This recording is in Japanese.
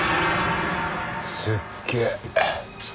すっげえ。